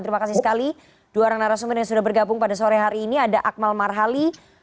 terima kasih sekali